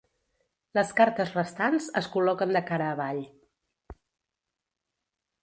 Les cartes restants es col·loquen de cara avall.